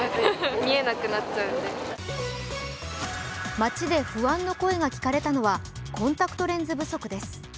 街で不安の声が聞かれたのはコンタクトレンズ不足です。